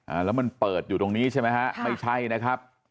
อ่าแล้วมันเปิดอยู่ตรงนี้ใช่ไหมฮะไม่ใช่นะครับ